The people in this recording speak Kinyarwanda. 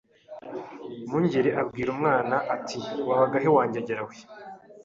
Mwungeli abwira umwana ati Wabaga he wa ngegera we